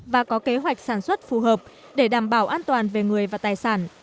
và có kế hoạch sản xuất phù hợp để đảm bảo an toàn về người và tài sản